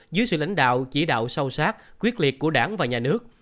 dưới sự lãnh đạo chỉ đạo sâu sát quyết liệt của đảng và nhà nước